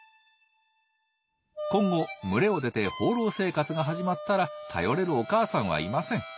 今後群れを出て放浪生活が始まったら頼れるお母さんはいません。